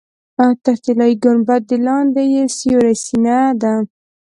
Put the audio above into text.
تر طلایي ګنبدې لاندې یې سورۍ سینه ده.